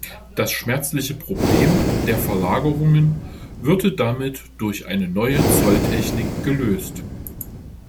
Das schmerzliche Problem der Verlagerungen würde damit durch eine neue Zolltechnik gelöst.